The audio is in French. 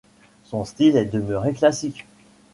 Son style est demeuré classique.